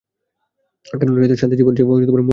কারণ শান্তির জীবনের চেয়ে মূল্যবান আর কিছুই নেই।